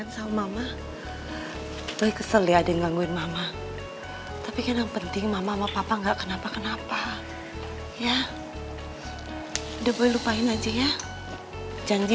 sampai jumpa di video selanjutnya